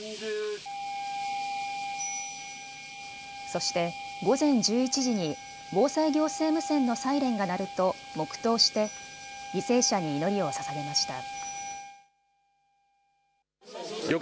そして午前１１時に防災行政無線のサイレンが鳴ると黙とうして犠牲者に祈りをささげました。